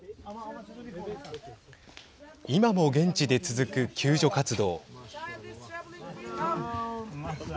今も現地で続く救助活動。